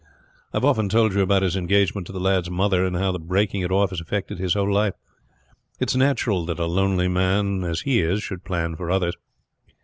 I have often told you about his engagement to the lad's mother, and how the breaking it off has affected his whole life. It is natural that a lonely man as he is should plan for others.